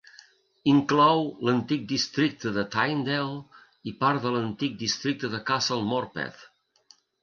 Inclou l'antic districte de Tynedale i part de l'antic districte de Castle Morpeth.